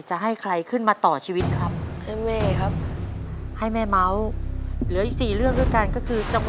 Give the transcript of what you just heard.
ให้แม่คิดอย่าให้ข่อยหลับฝังสย์เรื่องหายอย่าง